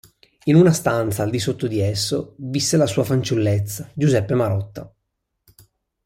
In una stanza al di sotto di esso visse la sua fanciullezza Giuseppe Marotta.